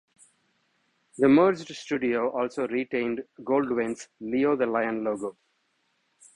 The merged studio also retained Goldwyn's Leo the Lion logo.